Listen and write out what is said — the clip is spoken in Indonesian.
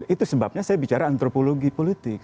itu sebabnya saya bicara antropologi politik